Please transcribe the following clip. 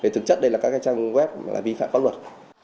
thực chất đây là các trang web là vi phạm pháp luật